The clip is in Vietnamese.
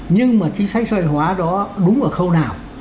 nhưng mà chính sách xoay hóa đó đúng ở khâu nào